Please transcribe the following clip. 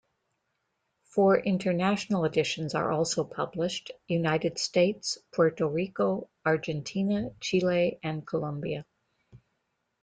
Four international editions are also published: United States, Puerto Rico, Argentina, Chile and Colombia.